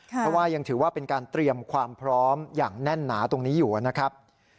เพราะว่ายังถือว่าเป็นการเตรียมความพร้อมอย่างแน่นหนาตรงนี้อยู่นะครับ